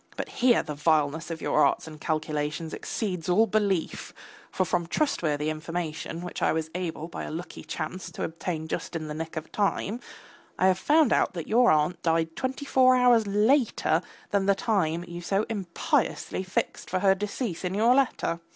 But here the vileness of your arts and calculations exceeds all belief, for from trustworthy information which I was able by a lucky chance to obtain just in the nick of time, I have found out that your aunt died twenty four hours later than the time you so impiously fixed for her decease in your letter.